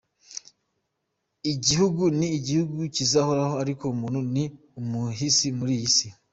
Igihugu ni igihugu kizahoraho ariko umuntu ni umuhisi muri iyi si.